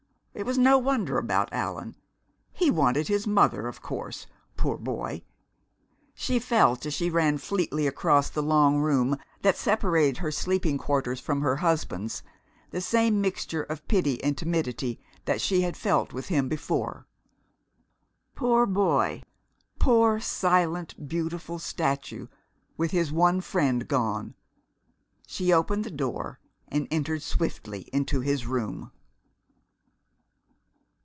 It was no wonder about Allan he wanted his mother, of course, poor boy! She felt, as she ran fleetly across the long room that separated her sleeping quarters from her husband's, the same mixture of pity and timidity that she had felt with him before. Poor boy! Poor, silent, beautiful statue, with his one friend gone! She opened the door and entered swiftly into his room.